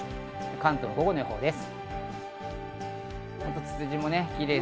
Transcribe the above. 関東、午後の予報です。